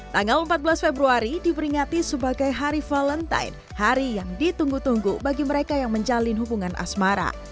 tanggal empat belas februari diperingati sebagai hari valentine hari yang ditunggu tunggu bagi mereka yang menjalin hubungan asmara